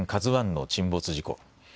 ＫＡＺＵＩの沈没事故。